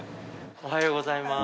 おはようございます。